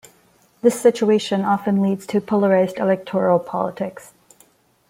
This situation often leads to polarized electoral politics.